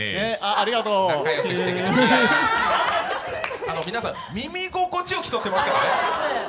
あの皆さん、耳心地を競ってますからね！